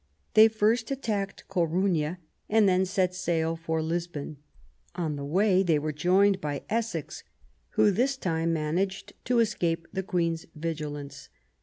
They first attacked Coruna, and then set sail for Lisbon. On the way they were joined by Essex, who this time managed to escape the Queen's vigilance.